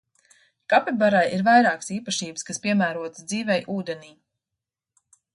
Kapibarai ir vairākas īpašības, kas piemērotas dzīvei ūdenī.